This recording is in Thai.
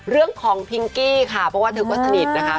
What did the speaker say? พิงกี้ค่ะเพราะว่าเธอก็สนิทนะคะ